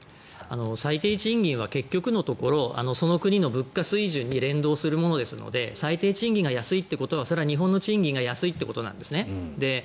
最低賃金は結局のところその国の物価水準に連動するものですので最低賃金が安いということはそれは日本の賃金が安いということなんですね。